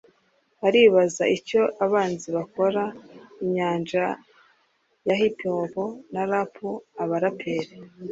aribaza icyo abahanzi bakora injyana ya HipHop na Rap (Aba raperi)